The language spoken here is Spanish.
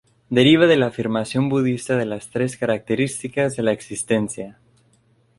Deriva de la afirmación budista de las Tres Características de la Existencia.